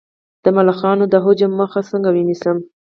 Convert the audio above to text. د ملخانو د هجوم مخه څنګه ونیسم؟